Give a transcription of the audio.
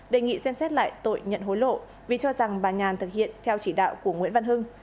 đề nghị xem xét lại tội nhận hối lộ vì cho rằng bà nhàn thực hiện theo chỉ đạo của nguyễn văn hưng